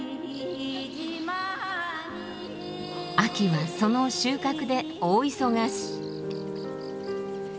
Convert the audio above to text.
秋はその収穫で大忙し。